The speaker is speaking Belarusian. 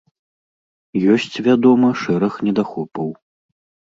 Ёсць, вядома, шэраг недахопаў.